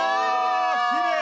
きれい！